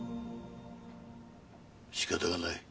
仕方がない。